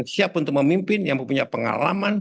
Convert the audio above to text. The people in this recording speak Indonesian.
siap untuk memimpin yang punya pengalaman